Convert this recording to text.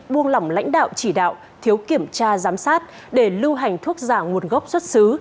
buông lỏng lãnh đạo chỉ đạo thiếu kiểm tra giám sát để lưu hành thuốc giả nguồn gốc xuất xứ